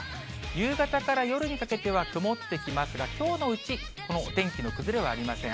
夕方から夜にかけては曇ってきますが、きょうのうち、お天気の崩れはありません。